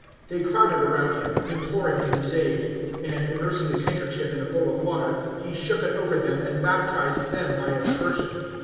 They crowded around him, imploring to be saved; and, immersing his handkerchief in a bowl of water, he shook it over them, and baptized them by aspersion.